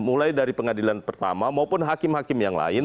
mulai dari pengadilan pertama maupun hakim hakim yang lain